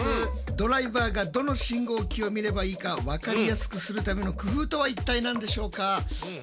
ドライバーがどの信号機を見ればいいかわかりやすくするための工夫とは一体何でしょうか。